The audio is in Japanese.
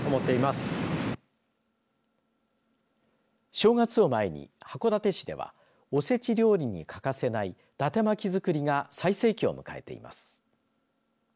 正月を前に函館市ではおせち料理に欠かせないだて巻きづくりが最盛期を迎えています。